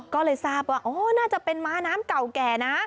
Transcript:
ก็เลยทราบว่าอ๋อน่าจะเป็นม้าน้ำเก่าแก่นะ